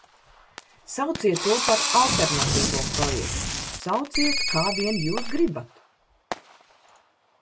Sauciet to par alternatīvo projektu, sauciet, kā vien jūs gribat!